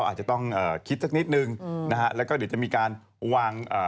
อาจจะต้องเอ่อคิดสักนิดนึงอืมนะฮะแล้วก็เดี๋ยวจะมีการวางเอ่อ